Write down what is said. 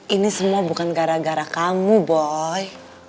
ini semua bukan gara gara kamu boy